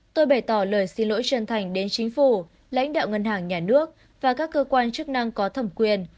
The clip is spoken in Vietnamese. tôi bày tỏ lời xin lỗi chân thành đến chính phủ lãnh đạo ngân hàng nhà nước và các cơ quan chức năng có thẩm quyền